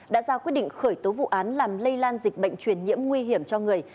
đã ra quyết định khởi tố vụ án làm lây lan dịch bệnh truyền nhiễm nguy hiểm cho người